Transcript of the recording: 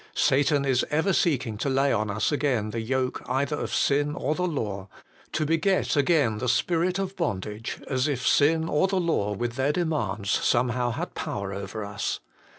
Satan is ever seeking to lay on us again the yoke either of sin or the law, to beget again the spirit of bondage, as if sin or the law with their demands somehow had power over us.